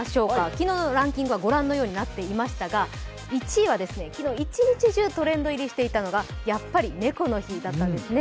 昨日ののランキングはご覧のようになっていましたが、１位は昨日一日中トレンド入りしていたのが、やっぱり猫の日だったんですね。